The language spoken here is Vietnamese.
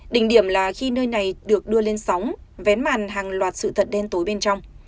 đỉnh điểm là khi nơi này được đưa lên sóng vé màn hàng loạt sự thật đen tối bên trong